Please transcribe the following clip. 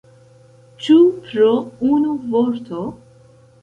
Ĉu pro unu vorto?